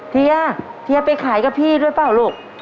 เฮียเฮียไปขายกับพี่ด้วยเปล่าลูก